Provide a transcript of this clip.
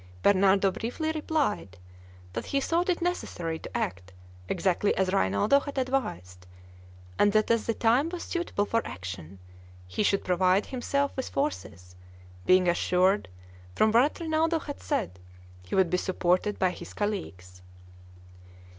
Bernardo briefly replied, that he thought it necessary to act exactly as Rinaldo had advised, and that as the time was suitable for action, he should provide himself with forces, being assured from what Rinaldo had said, he would be supported by his colleagues.